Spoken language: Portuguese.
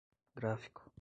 gráfico